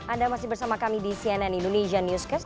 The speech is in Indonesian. anda masih bersama kami di cnn indonesia newscast